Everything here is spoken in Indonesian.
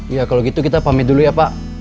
ya kalau gitu kita pamit dulu ya pak